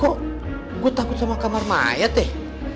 kok gue takut sama kamar mayat deh